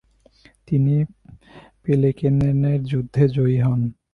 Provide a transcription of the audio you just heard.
তিনি পেলেকেননের যুদ্ধে বিজয়ী হন।